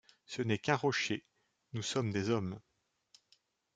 Ce n’est qu’un rocher, nous sommes des hommes.